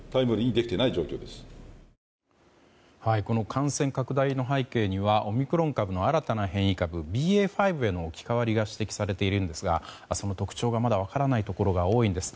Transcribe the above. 感染拡大の背景にはオミクロン株の新たな変異株ＢＡ．５への置き換わりが指摘されていますがその特徴がまだ分からないところが多いんです。